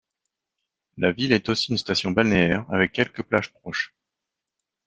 La ville est aussi une station balnéaire, avec quelques plages proches.